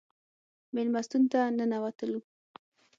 مېلمستون ته ننوتلو.